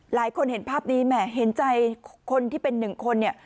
เห็นภาพนี้แหมเห็นใจคนที่เป็นหนึ่งคนเนี่ย